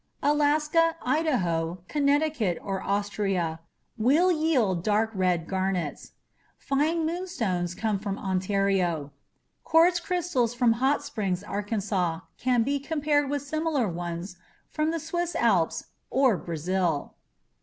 Alaska, Idaho, Connecticut or Austria will yield dark red garnets. Fine moonstones come from Ontario; quartz crystals from Hot Springs, Arkansas, can be compared with similar ones from the Swiss Alps or Brazil.